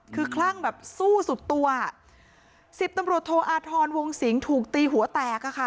คือคลั่งแบบสู้สุดตัวสิบตำรวจโทอาทรวงสิงห์ถูกตีหัวแตกอะค่ะ